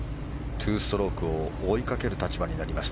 ２ストロークを追いかける立場になりました